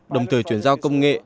đồng thời chuyển giao công nghệ